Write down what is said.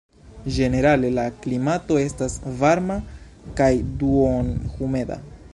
Ĝenerale la klimato estas varma kaj duonhumeda.